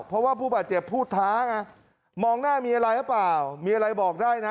เพราะว่าผู้บาดเจ็บพูดท้าไงมองหน้ามีอะไรหรือเปล่ามีอะไรบอกได้นะ